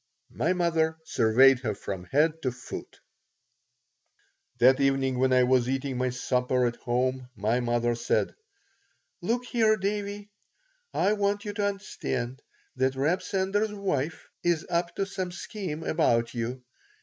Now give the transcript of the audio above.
My mother surveyed her from head to foot That evening when I was eating my supper at home my mother said: "Look here, Davie. I want you to understand that Reb Sender's wife is up to some scheme about you.